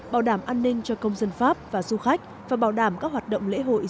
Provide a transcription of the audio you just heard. bảo đảm an ninh cho công dân pháp và du khách và bảo đảm các hoạt động lễ hội